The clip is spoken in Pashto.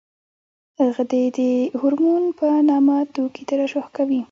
غدې د هورمون په نامه توکي ترشح کوي.